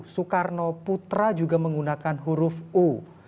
sukarno putra juga menggunakan urup u